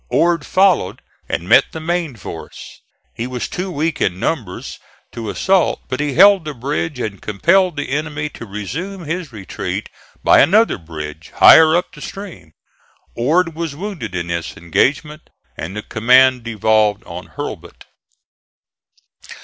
Ord followed and met the main force. He was too weak in numbers to assault, but he held the bridge and compelled the enemy to resume his retreat by another bridge higher up the stream. Ord was wounded in this engagement and the command devolved on Hurlbut.